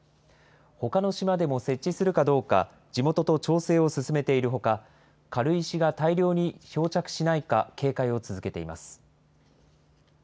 ほかの島でも設置するかどうか、地元と調整を進めているほか、軽石が大量に漂着しないか警戒を続けています。